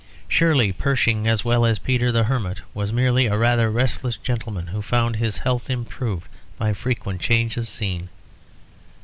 Surely Pershing as well as Peter the Hermit was merely a rather restless gentleman who found his health improved by frequent change of scene.